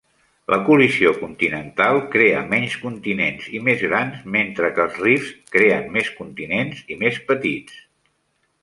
La col·lisió continental crea menys continents i més grans mentre que els rifts creen més continents i més petits.